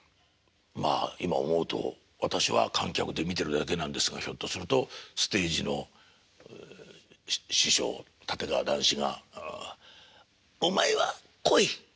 まあ今思うと私は観客で見てるだけなんですがひょっとするとステージの師匠立川談志が「お前は来い」って言われたような気がするなと